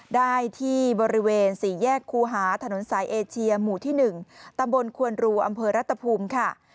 ได้ที่บริเวณสี่แยกคูหาถนนสายเอเชียหมู่ที่๑ตำบลควนรูอำเภอรัตภูมิค่ะ